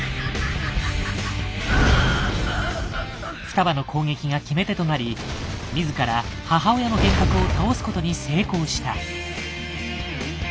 双葉の攻撃が決め手となり自ら母親の幻覚を倒すことに成功した。